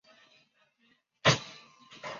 贞丰蹄盖蕨为蹄盖蕨科蹄盖蕨属下的一个种。